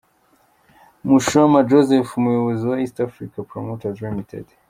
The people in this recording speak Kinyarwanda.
Mushyoma Joseph, Umuyobozi wa East African Promoters ltd.